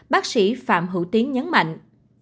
bác sĩ phạm hữu tiến nhấn mạnh